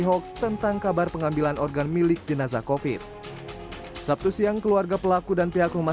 hoax tentang kabar pengambilan organ milik jenazah covid sabtu siang keluarga pelaku dan pihak rumah